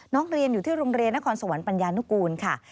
เรียนอยู่ที่โรงเรียนนครสวรรค์ปัญญานุกูลค่ะ